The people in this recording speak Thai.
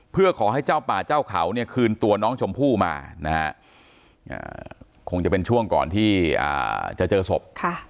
เพื่อขอให้เจ้าป่าเจ้าเขาเนี่ยคืนตัวน้องชมพู่มานะฮะคงจะเป็นช่วงก่อนที่จะเจอศพ